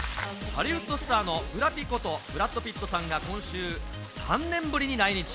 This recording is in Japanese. ハリウッドスターのブラピこと、ブラッド・ピットさんが、３年ぶりに来日。